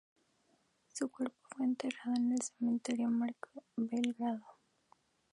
Su cuerpo fue enterrado en el cementerio Marko en Belgrado.